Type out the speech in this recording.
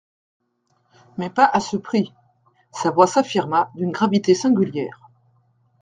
Mais pas à ce prix.» Sa voix s'affirma, d'une gravité singulière.